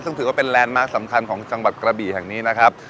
ซึ่งถือว่าเป็นแลนด์มาร์คสำคัญของจังหวัดกระบี่แห่งนี้นะครับ